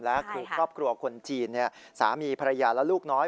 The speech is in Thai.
และคือครอบครัวคนจีนสามีภรรยาและลูกน้อย